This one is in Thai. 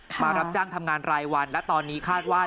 มารับจ้างทำงานรายวันและตอนนี้คาดว่า